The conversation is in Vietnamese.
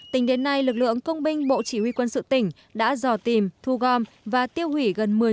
tính đến nay lực lượng công binh bộ chỉ huy quân sự tỉnh đã dò tìm thu gom và tiêu hủy